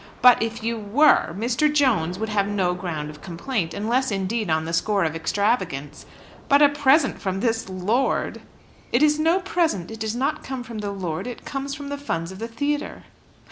"But if you were, Mr. Jones would have no ground of complaint, unless indeed on the score of extravagance. But a present from this lord!" "It is no present. It does not come from the lord; it comes from the funds of the theatre."